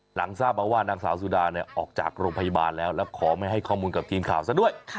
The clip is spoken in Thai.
หลังทราบมาว่านางสาวสุดาเนี่ยออกจากโรงพยาบาลแล้วแล้วขอไม่ให้ข้อมูลกับทีมข่าวซะด้วย